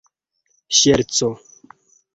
ŝerco